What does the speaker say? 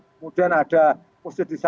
kemudian ada posisi saudi di sana